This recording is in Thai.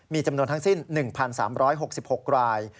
มีจำนวนทั้งสิ้น๑๓๖๖ราย